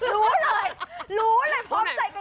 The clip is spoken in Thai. รู้เลยรู้เลยพร้อมใจกัน